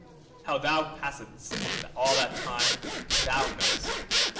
How thou passedst all that time thou knowest.